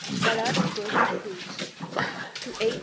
Ballade of Broken Flutes (To A.